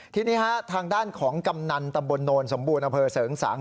ทีนี้ทางด้านของกำนันตำบลโนนสมบูรณอำเภอเสริงสัง